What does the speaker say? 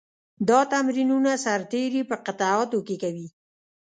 دا تمرینونه سرتېري په قطعاتو کې کوي.